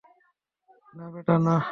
না বেটা না!